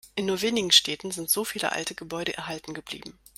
In nur wenigen Städten sind so viele alte Gebäude erhalten geblieben.